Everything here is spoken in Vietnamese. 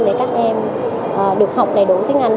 để các em được học đầy đủ tiếng anh